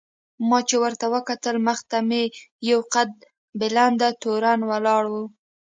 ما چې ورته وکتل مخې ته مې یو قد بلنده تورن ولاړ و.